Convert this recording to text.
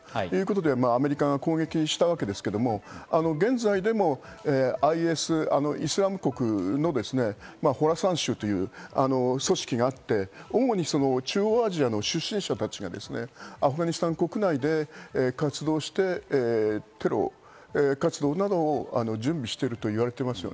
アメリカが攻撃したわけですけど、現在でもＩＳ、イスラム国のホワサシュという組織があって、主に中央アジアの出身者たちがアフガニスタン国内で活動して、テロ活動などを準備しているといわれています。